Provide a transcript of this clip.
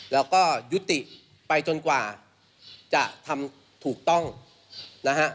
แล้วก็ยุติไปจนกว่าจะทำถูกต้องนะฮะ